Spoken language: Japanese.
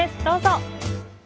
どうぞ。